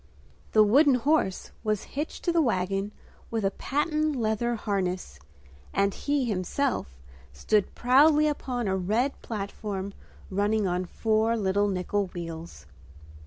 The wooden horse was hitched to the wagon with a patent leather harness; and he, himself, stood proudly upon a red platform running on four little nickel wheels.